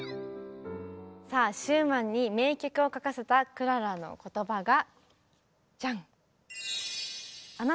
さあシューマンに名曲を書かせたクララの言葉がジャン。